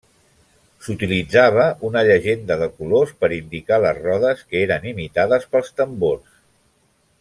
S’utilitzava una llegenda de colors per indicar les rodes que eren imitades pels tambors.